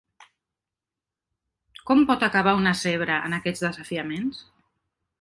Com pot acabar una zebra en aquests desafiaments?